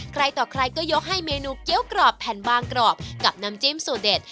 ใครต่อใครก็ยกให้เมนูเกี้ยวกรอบแผ่นบางกรอบกับน้ำจิ้มสูตรเด็ด